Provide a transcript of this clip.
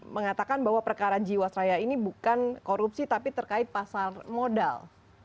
mengatakan bahwa perkara jiwasraya ini bukan korupsi tapi terkait pasar modal